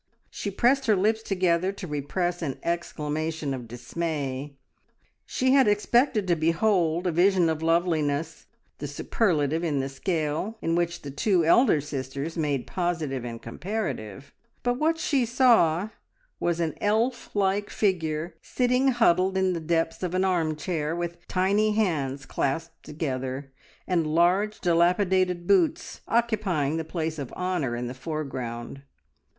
She pressed her lips together to repress an exclamation of dismay. She had expected to behold a vision of loveliness the superlative in the scale in which the two elder sisters made positive and comparative, but what she saw was an elf like figure sitting huddled in the depths of an arm chair, with tiny hands clasped together, and large dilapidated boots occupying the place of honour in the foreground.